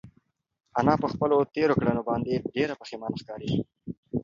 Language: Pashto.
انا په خپلو تېرو کړنو باندې ډېره پښېمانه ښکاري.